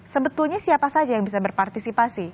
sebetulnya siapa saja yang bisa berpartisipasi